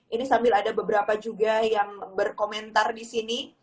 ini sambil ada beberapa juga yang berkomentar di sini